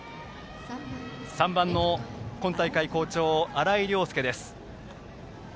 ３番の今大会好調、荒居涼祐です。